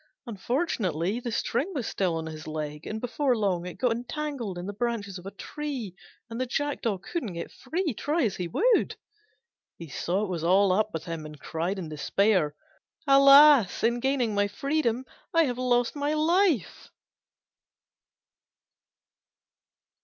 Unfortunately, the string was still on his leg, and before long it got entangled in the branches of a tree and the Jackdaw couldn't get free, try as he would. He saw it was all up with him, and cried in despair, "Alas, in gaining my freedom I have lost my life."